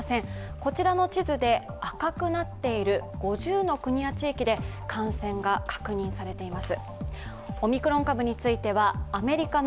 こちらの地図で赤くなっている５０の国や地域で感染が確認されています。